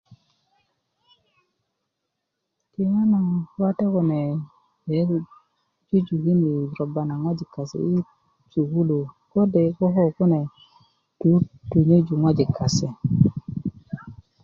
Tiyana wate kune bge yi jujukin roba na ŋwajik kase yi sukulu kode' koko kune tuutunyöju ŋwajik kase